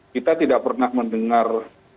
kita tidak pernah mendengar